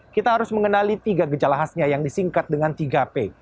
kita harus mengenali tiga gejala khasnya yang disingkat dengan tiga p